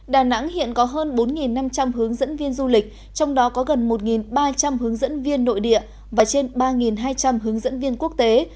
đà nẵng hiện có hơn bốn năm trăm linh hướng dẫn viên du lịch trong đó có gần một ba trăm linh hướng dẫn viên nội địa và trên ba hai trăm linh hướng dẫn viên quốc tế